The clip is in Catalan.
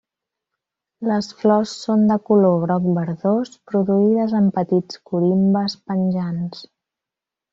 Les flors són de color groc verdós, produïdes en petits corimbes penjants.